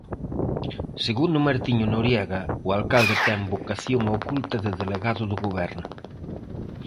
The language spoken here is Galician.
Segundo Martiño Noriega, o alcalde ten vocación oculta de delegado do Goberno.